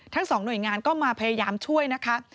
ทั้งสองหน่วยงานก็มาพยายามช่วยนะคะ